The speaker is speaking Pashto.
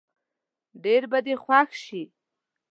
ډېر به دې خوښ شي.